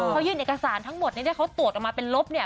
เขายื่นเอกสารทั้งหมดที่เขาตรวจออกมาเป็นลบเนี่ย